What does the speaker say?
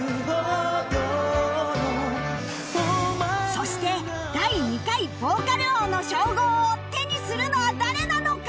そして第２回ヴォーカル王の称号を手にするのは誰なのか！？